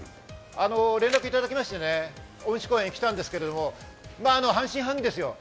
連絡いただきましてね、恩賜公園に来たんですけど、半信半疑ですよ。